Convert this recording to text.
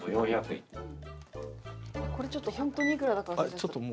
これちょっと本当にいくらだか。